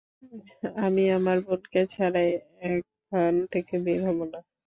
আমি আমার বোনকে ছাড়া এখান থেকে বের হবনা।